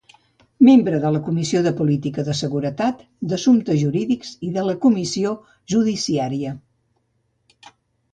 Membre de la comissió de política de seguretat, d'assumptes jurídics i de la comissió judiciària.